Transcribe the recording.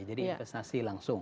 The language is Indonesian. jadi investasi langsung